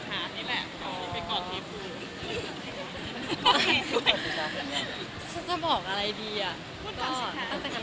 มันก็จะเป็นหลักท้านี้แหละ